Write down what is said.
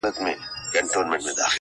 پر سلطان باندي دعاوي اورېدلي-